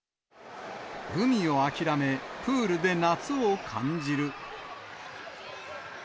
海を諦め、プールで夏を感じる。